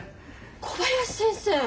小林先生。